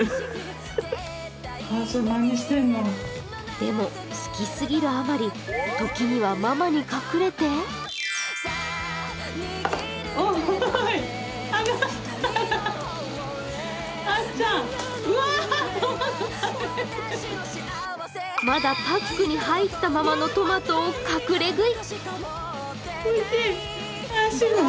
でも、好きすぎるあまり時にはママに隠れてまだパックに入ったままのトマトを隠れ食い！